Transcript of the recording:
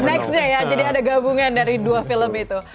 nextnya ya jadi ada gabungan dari dua film itu